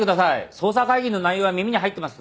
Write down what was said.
捜査会議の内容は耳に入ってます。